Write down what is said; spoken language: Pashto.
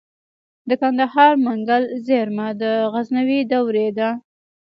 د کندهار منگل زیرمه د غزنوي دورې ده